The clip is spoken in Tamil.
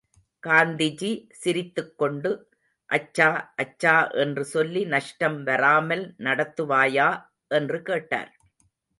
காந்திஜி சிரித்துக்கொண்டு அச்சா அச்சா என்று சொல்லி நஷ்டம் வராமல் நடத்துவாயா? என்று கேட்டார்.